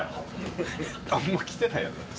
あんま来てないやろだって。